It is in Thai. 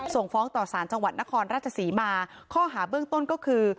ส่งฟ้องต่อสารจังหวัดนครราชศรีมาข้อหาเบื้องต้นก็คือ